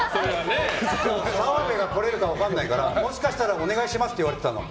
澤部が来れるか分からないからもしかしたらお願いしますって言われてたの。